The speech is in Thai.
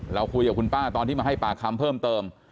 เราคุยกับคุณป้าตอนที่มาให้ปากคำเพิ่มเติม